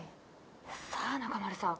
さぁ中丸さん。